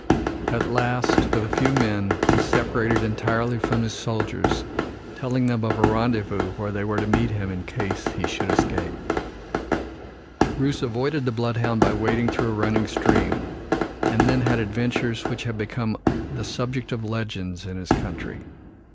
At last, with a few men, he separated entirely from his soldiers, telling them of a rendezvous where they were to meet him in case he should escape. Bruce avoided the bloodhound by wading through a running stream, and then had adventures which have become the subject of legends in his country.